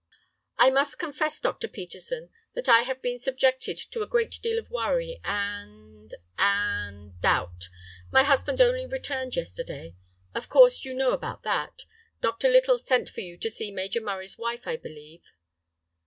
"I must confess, Dr. Peterson, that I have been subjected to a great deal of worry and—and doubt. My husband only returned yesterday. Of course, you know about that. Dr. Little sent for you to see Major Murray's wife, I believe."